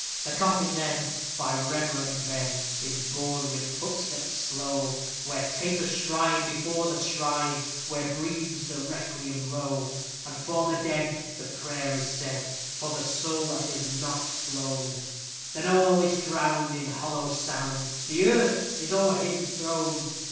The coffin, then, by reverend men, is borne with footsteps slow, Where tapers shine before the shrine, where breathes the requiem low; And for the dead the prayer is said, for the soul that is not flown Then all is drowned in hollow sound, the earth is o'er him thrown!